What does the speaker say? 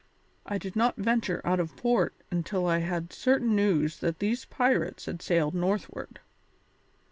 I did not venture out of port until I had had certain news that these pirates had sailed northward.